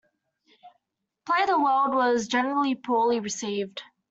"Play the World" was generally poorly received.